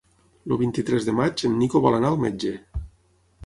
El vint-i-tres de maig en Nico vol anar al metge.